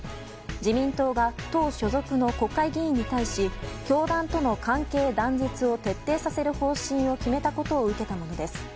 自民党が党所属の国会議員に対し教団との関係断絶を徹底させる方針を決めたことを受けたものです。